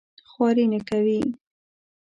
خواري نه کوي.